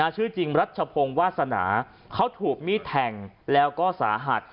ชื่อจริงรัชพงศ์วาสนาเขาถูกมีดแทงแล้วก็สาหัส